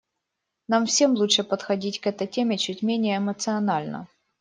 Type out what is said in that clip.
Нам всем лучше подходить к этой теме чуть менее эмоционально.